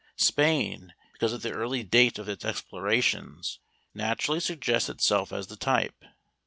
Spain, because of the early date of its explorations, naturally suggests itself as the type.